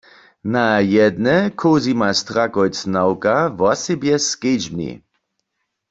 Na jedne Cosima Strakojc-Nawka wosebje skedźbni.